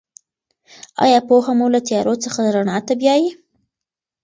آیا پوهه مو له تیارو څخه رڼا ته بیايي؟